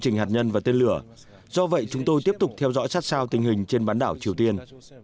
trình hạt nhân và tên lửa do vậy chúng tôi tiếp tục theo dõi sát sao tình hình trên bán đảo triều tiên